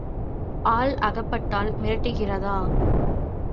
ஆள் அகப்பட்டால் மிரட்டுகிறதா?